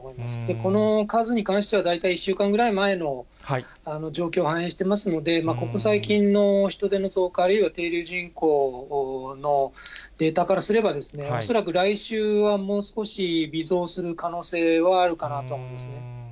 この数に関しては、大体１週間ぐらい前の状況を反映してますので、ここ最近の人出の増加、あるいは滞留人口のデータからすれば、恐らく来週はもう少し、微増する可能性はあるかなと思いますね。